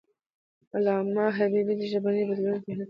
علامه حبیبي د ژبنیو بدلونونو تحلیل کړی دی.